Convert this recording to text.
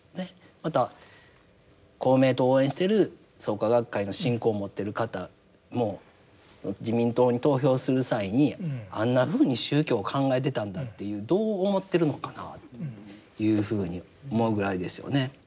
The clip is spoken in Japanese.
また公明党を応援してる創価学会の信仰を持ってる方も自民党に投票する際にあんなふうに宗教を考えてたんだっていうどう思ってるのかなというふうに思うぐらいですよね。